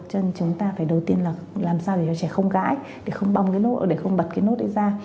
cho nên chúng ta phải đầu tiên là làm sao để cho trẻ không gãi để không bật cái nốt đấy ra